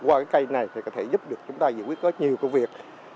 qua cái cây này thì có thể giúp được chúng ta giải quyết có nhiều công việc